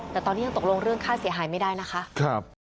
แต่ตอนนี้ยังตกลงเรื่องค่าเสียหายไม่ได้นะคะ